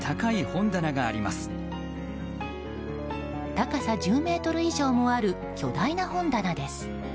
高さ１０ｍ以上もある巨大な本棚です。